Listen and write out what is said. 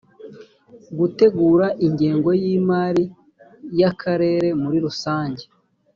gutegura ingengo y imari y akarere muri rusange